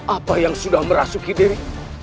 apa yang sudah merasuki diri